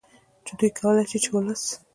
چې دوی کولې شي چې ولس